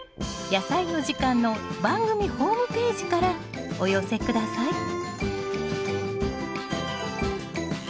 「やさいの時間」の番組ホームページからお寄せ下さい。